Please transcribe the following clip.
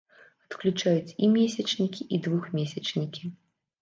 Адключаюць і месячнікі, і двухмесячнікі.